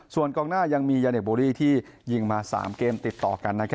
ส่วนกองหน้ายังมียาเนคโบรี่ที่ยิงมา๓เกมติดต่อกัน